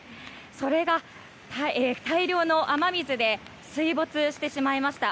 それが大量の雨水で水没してしまいました。